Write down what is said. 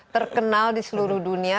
terkenal di seluruh dunia